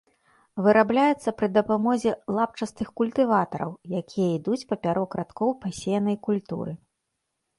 Вырабляецца пры дапамозе лапчастых культыватараў, якія ідуць папярок радкоў пасеянай культуры.